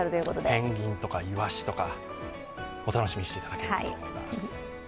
ペンギンとかいわしとか、お楽しみにしていただればと思います。